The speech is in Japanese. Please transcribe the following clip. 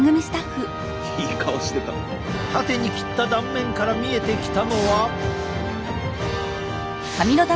縦に切った断面から見えてきたのは。